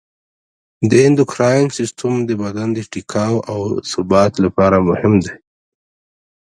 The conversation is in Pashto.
د اندوکراین سیستم د بدن د ټیکاو او ثبات لپاره مهم دی.